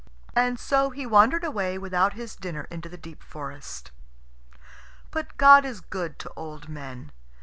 And so he wandered away without his dinner into the deep forest. But God is good to old men.